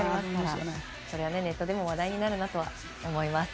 ネットでも話題になるなと思います。